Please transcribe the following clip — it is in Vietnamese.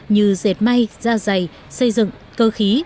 như dệt may da dày xây dựng cơ khí